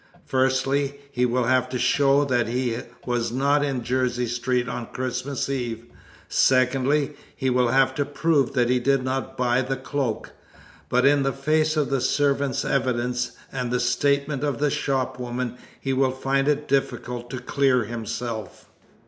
Firstly, he will have to show that he was not in Jersey Street on Christmas Eve; secondly, he will have to prove that he did not buy the cloak. But in the face of the servant's evidence, and the statement of the shopwoman, he will find it difficult to clear himself.